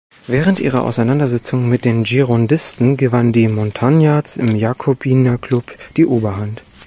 Während ihrer Auseinandersetzung mit den Girondisten gewannen die Montagnards im Jakobinerklub die Oberhand.